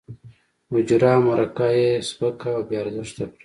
حجره او مرکه یې سپکه او بې ارزښته کړه.